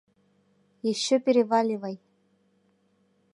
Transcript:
Ещё переваливай